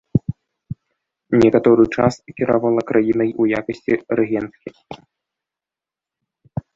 Некаторы час кіравала краінай у якасці рэгенткі.